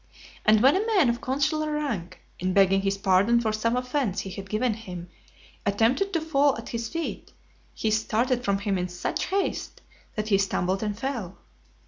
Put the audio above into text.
(211) And when a man of consular rank, in begging his pardon for some offence he had given him, attempted to fall at his feet, he started from him in such haste, that he stumbled and fell.